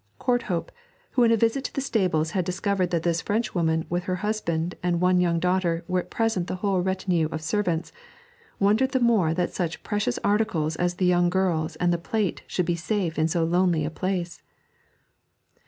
Courthope, who in a visit to the stables had discovered that this Frenchwoman with her husband and one young daughter were at present the whole retinue of servants, wondered the more that such precious articles as the young girls and the plate should be safe in so lonely a place.